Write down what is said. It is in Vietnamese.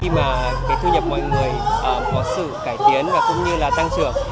khi mà cái thu nhập mọi người có sự cải tiến và cũng như là tăng trưởng